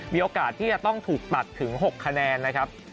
มีโอกาสที่จะต้องถูกตัดถึง๖คะแนนนะครับ